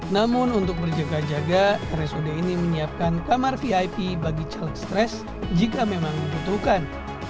namun untuk berjaga jaga rsud ini menyiapkan kamar vip bagi caleg stres jika memang dibutuhkan